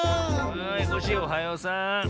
はいコッシーおはようさん。